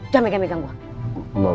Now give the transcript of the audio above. jangan megang megang gue